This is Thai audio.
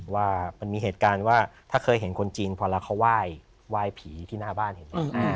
ว่ามันมีเหตุการณ์ว่าถ้าเคยเห็นคนจีนพอแล้วเขาไหว้ผีที่หน้าบ้านเห็นไหม